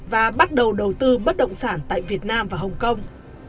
và bắt đầu đầu tư bất động sản tại việt nam và hồng kông